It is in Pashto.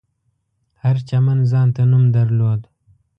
هر چمن ځانته نوم درلود.